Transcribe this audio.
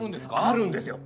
あるんですよ！